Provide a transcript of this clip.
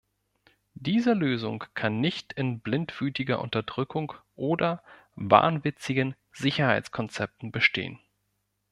Diese Lösung kann nicht in blindwütiger Unterdrückung oder wahnwitzigen Sicherheitskonzepten bestehen.